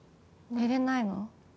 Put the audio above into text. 寝れないの？